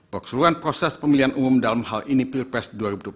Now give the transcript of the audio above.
perseruan proses pemilihan umum dalam hal ini pilpres dua ribu dua puluh